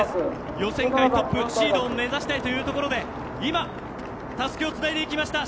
予選会トップシードを目指してというところでたすきをつないでいきました。